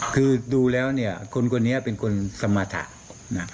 คือดูแล้วเนี่ยคนคนนี้เป็นคนสมรรถะนะ